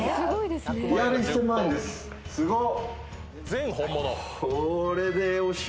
すごっ！」